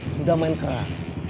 sudah main keras